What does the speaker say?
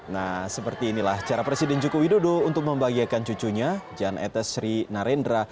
nah seperti inilah cara presiden jokowi dodo untuk membagiakan cucunya jan etesri narendra